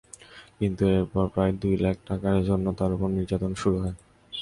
কিন্তু এরপর বাকি দুই লাখ টাকার জন্য তাঁর ওপর নির্যাতন শুরু হয়।